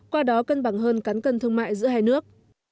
qua đó cân bằng hơn cán cân thương mại giữa hai nước